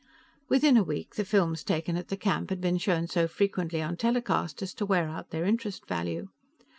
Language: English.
Within a week, the films taken at the camp had been shown so frequently on telecast as to wear out their interest value.